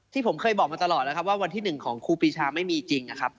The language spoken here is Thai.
ที่ผมเคยบอกมาตลอดแล้วครับว่าวันที่๑ของครูปีชาไม่มีจริงนะครับ